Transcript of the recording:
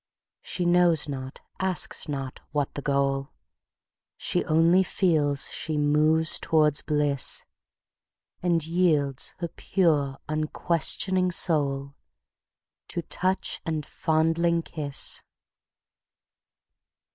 She knows not, asks not, what the goal, She only feels she moves towards bliss, And yields her pure unquestioning soulTo touch and fondling kiss.